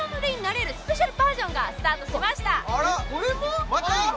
今これも？